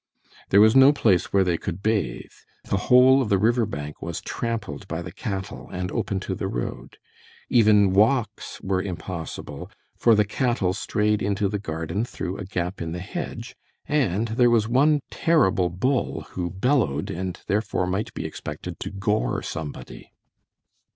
There was no place where they could bathe; the whole of the river bank was trampled by the cattle and open to the road; even walks were impossible, for the cattle strayed into the garden through a gap in the hedge, and there was one terrible bull, who bellowed, and therefore might be expected to gore somebody.